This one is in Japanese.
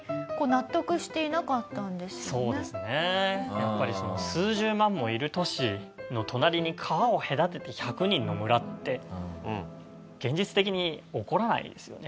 やっぱり数十万もいる都市の隣に川を隔てて１００人の村って現実的に起こらないですよね。